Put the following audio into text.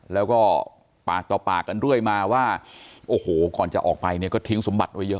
แล้วก็ปากต่อปากกันเรื่อยมาว่าโอ้โหก่อนจะออกไปเนี่ยก็ทิ้งสมบัติไว้เยอะ